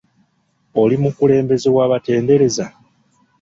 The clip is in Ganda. Oli mukulembeze w'abatendereza?